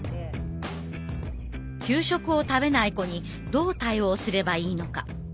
給食を食べない子にどう対応すればいいのか。